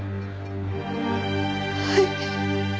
はい。